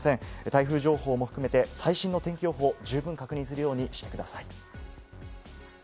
台風情報も含めて最新の天気予報を十分に確認するようにしてください。